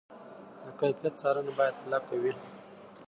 د کیفیت څارنه باید کلکه وي.